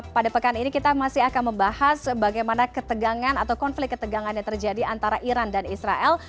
pada pekan ini kita masih akan membahas bagaimana ketegangan atau konflik ketegangan yang terjadi antara iran dan israel